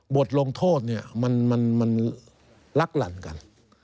บทลงโทษมันรักหลั่นกัน